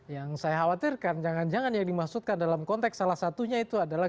yang saya khawatirkan jangan jangan yang dimaksudkan dalam konteks salah satunya itu adalah